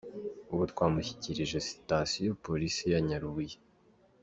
Ubu twamushyikirije Sitasiyo Polisi ya Nyarubuye.